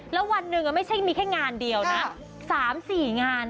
แล้ววันหนึ่งไม่ใช่มีแค่งานเดียวนะ๓๔งาน